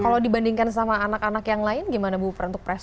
kalau dibandingkan sama anak anak yang lain gimana bu peran untuk prestasi